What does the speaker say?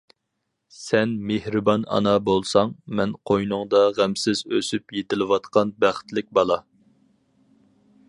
سەن مېھرىبان ئانا بولساڭ، مەن قوينۇڭدا غەمسىز ئۆسۈپ يېتىلىۋاتقان بەختلىك بالا.